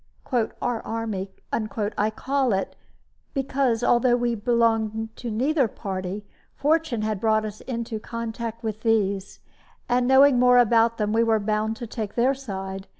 "Our army," I call it, because (although we belonged to neither party) fortune had brought us into contact with these, and knowing more about them, we were bound to take their side.